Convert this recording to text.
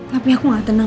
tapi aku gak tenang